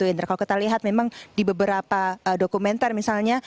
indra kalau kita lihat memang di beberapa dokumenter misalnya